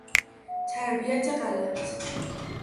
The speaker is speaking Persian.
تربیت غلط